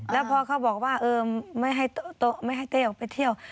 แล้วพ่อเขาบอกว่าเออไม่ให้เต้ออกไปเที่ยว